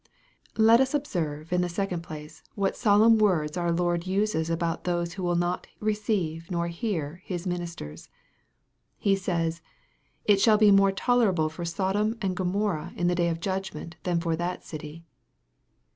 Let us observe, in the second place, what solemn words our Lord uses about those who will not receive nor hear His ministers. He says, " it shall be more tolerable for Sodom and Gomorrha in the day of judgment than for that city."